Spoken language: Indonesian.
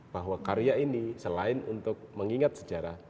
bahwa karya ini selain untuk mengingat sejarah